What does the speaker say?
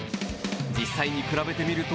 実際に比べてみると。